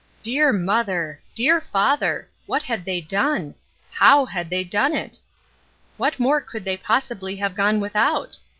Dear mother! dear father ! what had they done ? How had they done it ? What more could they possibly have gone without?